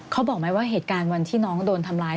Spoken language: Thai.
เขาบอกไหมว่าเหตุการณ์วันที่น้องโดนทำร้าย